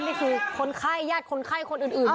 นี่คือคนไข้ญาติคนไข้คนอื่น